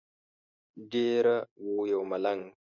دیره وو یو ملنګ.